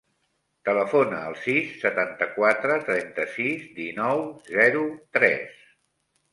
Telefona al sis, setanta-quatre, trenta-sis, dinou, zero, tres.